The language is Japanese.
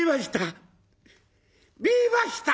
見えました！